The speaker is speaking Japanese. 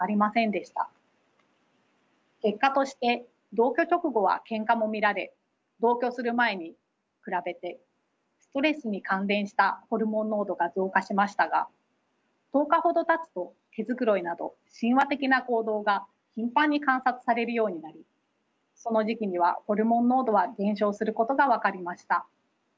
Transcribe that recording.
結果として同居直後はケンカも見られ同居する前に比べてストレスに関連したホルモン濃度が増加しましたが１０日ほどたつと毛づくろいなど親和的な行動が頻繁に観察されるようになりその時期にはホルモン濃度は減少することが分かりました。